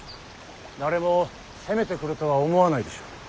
誰も攻めてくるとは思わないでしょう。